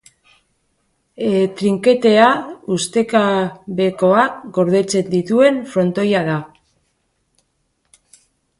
Trinketea ustekabekoak gordetzen dituen frontoia da.